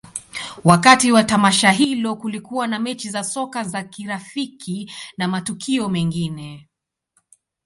Wakati wa tamasha hilo, kulikuwa na mechi za soka za kirafiki na matukio mengine.